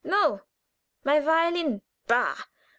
"No; my violin." "Bah!